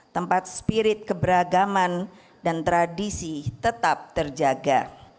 tempat spirit keberagaman dan tradisi tetap terjaga